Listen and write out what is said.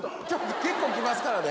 結構来ますからね。